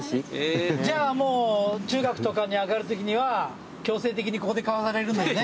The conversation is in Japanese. じゃあもう中学とかに上がるときには強制的にここで買わされるんだよね。